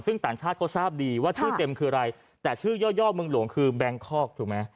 ซึ่งต่างชาติเขาทราบดีว่าชื่อเต็มคืออะไรแต่ชื่อย่อเมืองหลวงคือแบงคอกถูกไหม